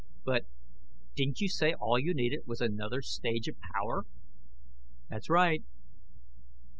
"But Didn't you say all you needed was another stage of power?" "That's right."